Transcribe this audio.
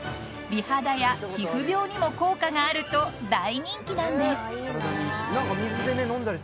［美肌や皮膚病にも効果があると大人気なんです］